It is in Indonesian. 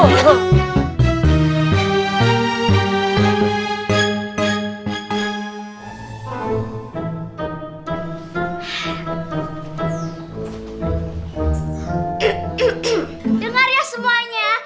dengar ya semuanya